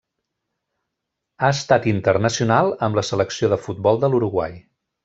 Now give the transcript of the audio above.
Ha estat internacional amb la selecció de futbol de l'Uruguai.